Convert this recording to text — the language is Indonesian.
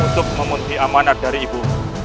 untuk memenuhi amanat dari ibu